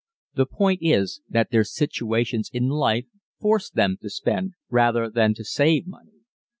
The point is that their situations in life force them to spend rather than to save money.